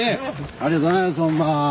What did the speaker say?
ありがとうございますほんま。